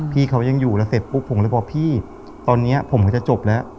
พี่เขายังอยู่แล้วเสร็จปุ๊บผมเลยบอกพี่ตอนนี้ผมก็จะจบแล้ว